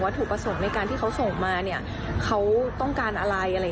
ถูกประสงค์ในการที่เขาส่งมาเนี่ยเขาต้องการอะไร